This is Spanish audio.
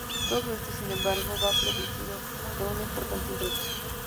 Todo esto, sin embargo, va precedido por una importante introducción.